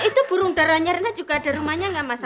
mas itu burung darahnya rena juga ada rumahnya gak mas